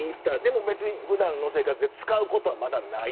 普段の生活で使うことはない。